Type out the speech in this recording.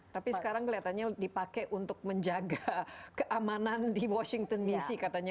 tapi sekarang kelihatannya dipakai untuk menjaga keamanan di washington dc katanya